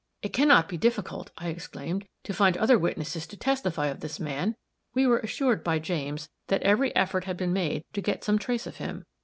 "It can not be difficult," I exclaimed, "to find other witnesses to testify of this man." We were assured by James that every effort had been made to get some trace of him.